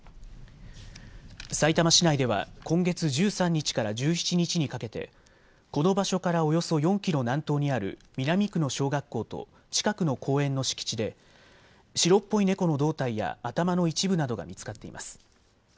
さいたま市内では今月１３日から１７日にかけてこの場所からおよそ４キロ南東にある南区の小学校と近くの公園の敷地で白っぽい猫の胴体や頭の一部などが見つかっています。